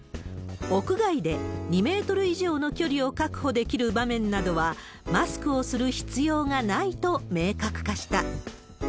屋外で２メートル以上の距離を確保できる場面などは、マスクをする必要がないと明確化した。